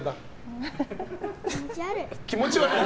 気持ち悪い。